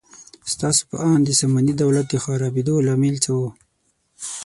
ستاسو په اند د ساماني دولت د خرابېدو لامل څه و؟